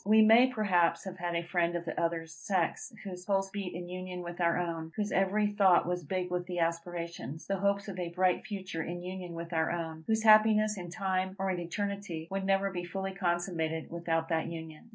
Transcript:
We may, perhaps, have had a friend of the other sex, whose pulse beat in unison with our own; whose every thought was big with the aspirations, the hopes of a bright future in union with our own; whose happiness in time or in eternity, would never be fully consummated without that union.